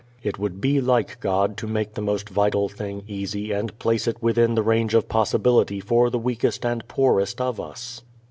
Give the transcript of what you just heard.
It would be like God to make the most vital thing easy and place it within the range of possibility for the weakest and poorest of us.